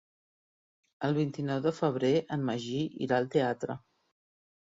El vint-i-nou de febrer en Magí irà al teatre.